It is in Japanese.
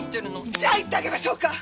じゃあ言ってあげましょうか。